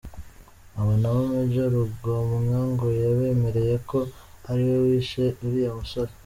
Aba nabo major Rugomwa ngo yabemereye ko ari we wishe uriya musore.